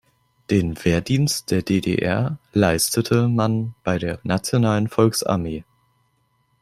Den Wehrdienst der D-D-R leistete man bei der nationalen Volksarmee.